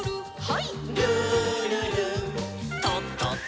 はい。